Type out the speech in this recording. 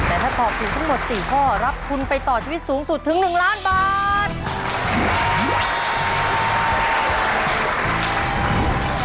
แต่ถ้าตอบถูกทั้งหมด๔ข้อรับทุนไปต่อชีวิตสูงสุดถึง๑ล้านบาท